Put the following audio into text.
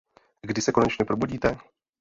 Kdy se konečně probudíte?